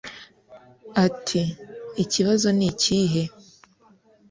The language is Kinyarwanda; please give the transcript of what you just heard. Ati “Ikibazo ni ikihe